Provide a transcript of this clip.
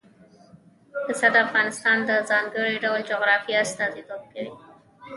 پسه د افغانستان د ځانګړي ډول جغرافیه استازیتوب کوي.